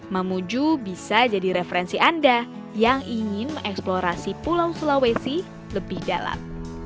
mamuju bisa jadi referensi anda yang ingin mengeksplorasi pulau sulawesi lebih dalam